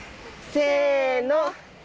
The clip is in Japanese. せの。